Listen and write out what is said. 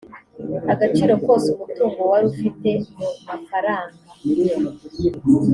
agaciro kose umutungo wari ufite mu mafaranga